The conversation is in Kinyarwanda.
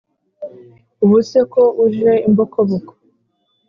Ubuse ko uje imbokoboko